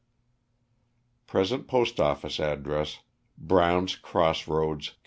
Present postoffice address. Brown's Cross Roads, Ky. CASWELL C.